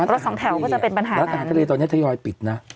รถสองแถวก็จะเป็นปัญหานั้นค่ะรถสองแถวตอนนี้ทะยอยปิดนะ